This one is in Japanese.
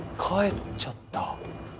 帰っちゃった。